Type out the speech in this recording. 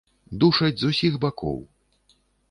Душаць з усіх бакоў.